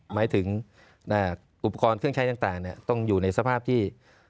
หมายถึงอุปกรณ์เครื่องใช้ต่างต้องอยู่ในสภาพที่